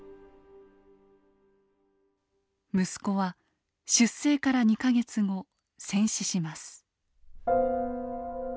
息子は出征から２か月後戦死します。